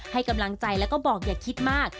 ให้กำลังใจแล้วก็บอกอย่าคิดมาก